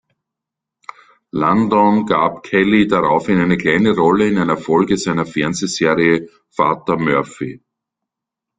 Landon gab Kellie daraufhin eine kleine Rolle in einer Folge seiner Fernsehserie "Vater Murphy".